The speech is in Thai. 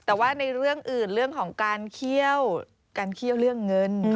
แต่ว่าในเรื่องอื่นเรื่องของการเคี่ยวการเคี่ยวเรื่องเงิน